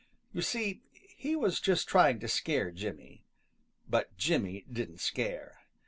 You see, he was just trying to scare Jimmy. But Jimmy didn't scare.